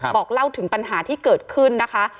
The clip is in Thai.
บอกเล่าถึงปัญหาที่เกิดขึ้นนะคะ